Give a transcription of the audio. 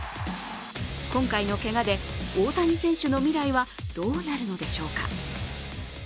今回のけがで大谷選手の未来はどうなるのでしょうか。